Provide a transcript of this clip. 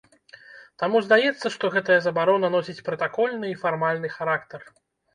Таму здаецца, што гэтая забарона носіць пратакольны і фармальны характар.